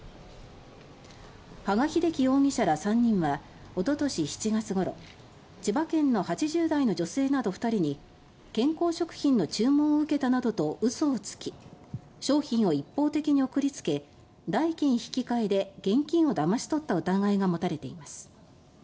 羽賀秀樹容疑者ら３人はおととし７月ごろ千葉県の８０代の女性など２人に健康食品の注文を受けたなどとうそをつき商品を一方的に送り付け代金引換で現金をだまし取った疑いが持たれています。